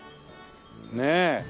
ねえ。